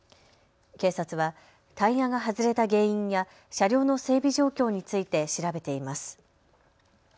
警察はタイヤが外れた原因や、車両の整備状況について調べています。